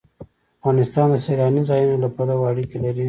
افغانستان د سیلاني ځایونو له پلوه اړیکې لري.